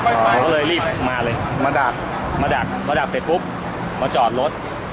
เขาก็เลยรีบมาเลยมาดักมาดักมาดับเสร็จปุ๊บมาจอดรถ